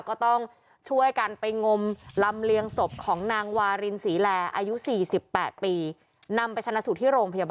ก็ต้องช่วยกันไปงมลำเลี่ยงศพของนางวารินศรีแลอายุ๔๘ปี